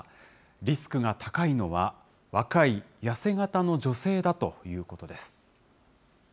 リスクが高いのは、若い痩せ型の女性だということです。